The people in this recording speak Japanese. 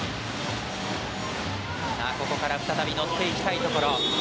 ここから再び乗っていきたいところ。